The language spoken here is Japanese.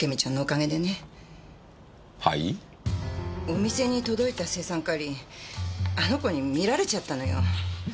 お店に届いた青酸カリあの子に見られちゃったのよ。